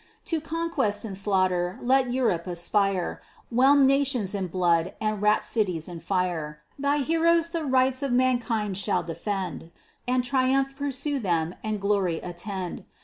To conquest and slaughter let Europe aspire; Whelm nations in blood, and wrap cities in fire; Thy heroes the rights of mankind shall defend, And triumph pursue them, and glory attend.